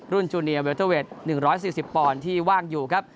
จูเนียเวลเตอร์เวท๑๔๐ปอนด์ที่ว่างอยู่ครับ